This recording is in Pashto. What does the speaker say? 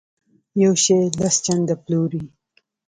یو شی لس چنده پلوري.